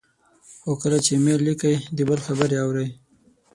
خو کله چې ایمیل لیکئ، د بل خبرې اورئ،